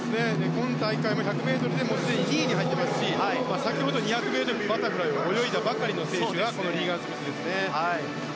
今大会も１００ｍで２位に入っていますし先ほど２００ｍのバタフライを泳いだばかりの選手がリーガン・スミスですね。